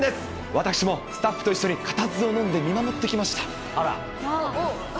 私もスタッフと一緒に固唾をのんで見守ってきました。